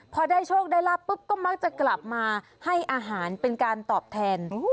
พอได้โชคได้ลาบปุ๊บก็มักจะกลับมาให้อาหารเป็นการตอบแทน